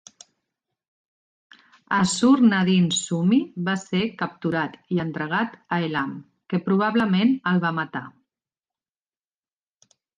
Ashur-nadin-shumi va ser capturat i entregat a Elam, que probablement el va matar.